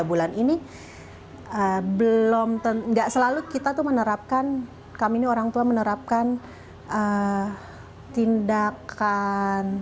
tahun ini belum tentu enggak selalu kita tuh menerapkan kami orangtua menerapkan tindakan